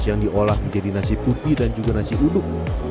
yang diolah menjadi nasi putih dan juga nasi uduk